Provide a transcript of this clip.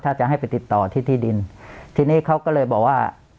ถ้าจะให้ไปติดต่อที่ที่ดินทีนี้เขาก็เลยบอกว่า